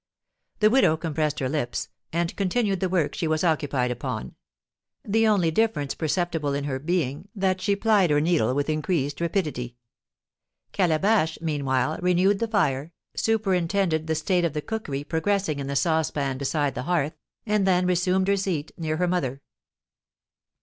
The widow compressed her lips, and continued the work she was occupied upon; the only difference perceptible in her being that she plied her needle with increased rapidity. Calabash, meanwhile, renewed the fire, superintended the state of the cookery progressing in the saucepan beside the hearth, and then resumed her seat near her mother.